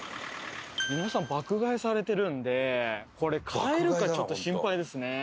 皆さん爆買いされてるんでこれ買えるかちょっと心配ですね。